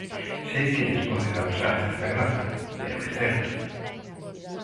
Sei que lles pode causar certa graza, pero é certo.